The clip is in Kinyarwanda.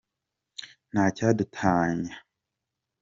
N T A C Y A D U T A N Y A .